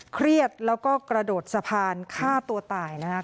เครียดแล้วก็กระโดดสะพานฆ่าตัวตายนะคะ